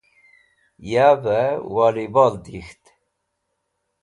Yavey Woli Bol Dik̃ht